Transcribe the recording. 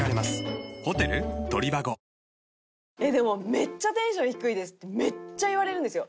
「めっちゃテンション低いです」ってめっちゃ言われるんですよ。